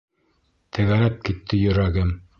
Тәгәрәп китте йөрәгем!..